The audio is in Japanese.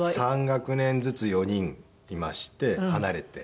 ３学年ずつ４人いまして離れて。